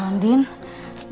aku disini nadca emang